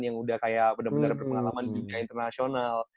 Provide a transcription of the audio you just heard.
yang udah kayak bener bener berpengalaman juga internasional